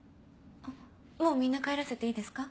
もうみんな帰らせていいですか？